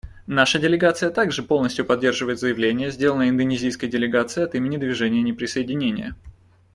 Наша делегация также полностью поддерживает заявление, сделанное индонезийской делегацией от имени Движения неприсоединения.